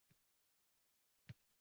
Otalar xokini